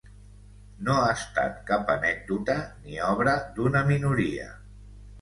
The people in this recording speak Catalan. No ha estat cap anècdota ni obra d’una minoria.